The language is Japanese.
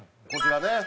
こちらね。